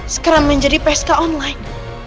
sekarang menjadi psk online